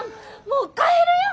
もう帰るよ！